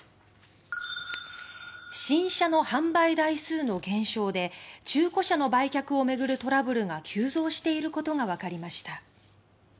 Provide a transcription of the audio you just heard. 新車の販売台数の減少で中古車の売却を巡るトラブルが急増していることが分かりました。